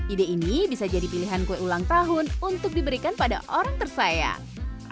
ide ini bisa jadi pilihan kue ulang tahun untuk diberikan pada orang tersayang